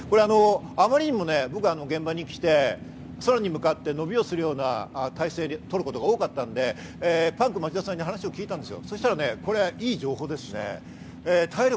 あまりにも現場に来て、空に向かって伸びをするような体勢を取ることが多かったんで、パンク町田さんに話を聞いたんですよ。